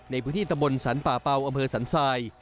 ในพื้นที่ตะบนสรรป่าเป่าอำเภอสันทราย